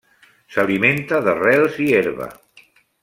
S'alimenta d'arrels i herba.